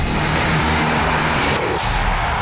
โปรดติดตามตอนต่อไป